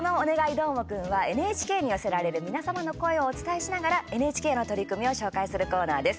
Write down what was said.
どーもくん」はＮＨＫに寄せられる皆様の声をお伝えしながらＮＨＫの取り組みを紹介するコーナーです。